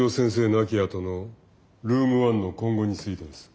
亡きあとのルーム１の今後についてです。